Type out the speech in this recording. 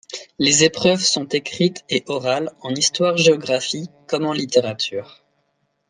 Les épreuves sont écrites et orales, en histoire-géographie comme en littérature.